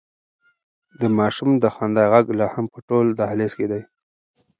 د ماشوم د خندا غږ لا هم په ټول دهلېز کې دی.